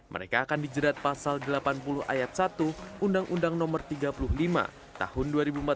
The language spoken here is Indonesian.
mereka akan dijerat pasal delapan puluh ayat satu undang undang no tiga puluh lima tahun dua ribu empat belas